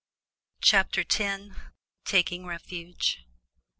CHAPTER X. TAKING REFUGE.